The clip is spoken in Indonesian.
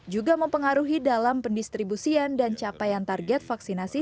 juga mempengaruhi dalam pendistribusian dan capaian target vaksinasi